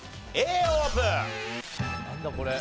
Ａオープン。